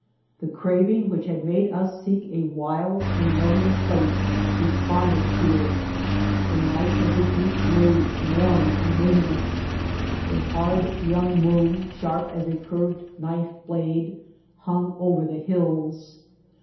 The craving which had made us seek a wild and lonely place responded to it. The night was a deep blue, warm and luminous. A hard young moon, sharp as a curved knife blade, hung over the hills.